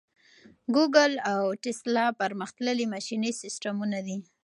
ګوګل او ټیسلا پرمختللي ماشیني سیسټمونه دي.